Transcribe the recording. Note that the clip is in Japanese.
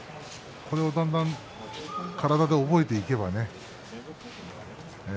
これを、だんだん体で覚えていけばね。